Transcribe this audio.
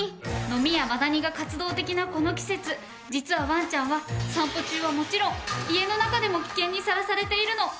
ノミやマダニが活動的なこの季節実はワンちゃんは散歩中はもちろん家の中でも危険にさらされているの。